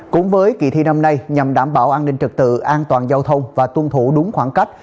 cũng với kỳ thi năm nay nhằm đảm bảo an ninh trật tự an toàn giao thông và tuân thủ đúng khoảng cách